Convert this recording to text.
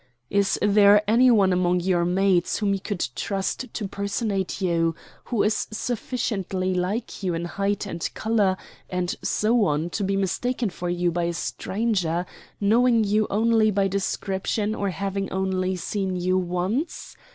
Is there any one among your maids whom you could trust to personate you, who is sufficiently like you in height and color and so on to be mistaken for you by a stranger, knowing you only by description or having only seen you once?